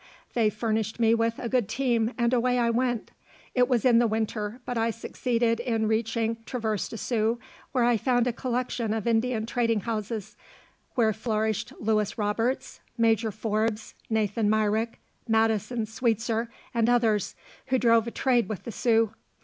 They furnished me with a good team, and away I went. It was in the winter, but I succeeded in reaching Traverse des Sioux, where I found a collection of Indian trading houses, where flourished Louis Roberts, Major Forbes, Nathan Myrick, Madison Sweetzer and others, who drove a trade with the Sioux.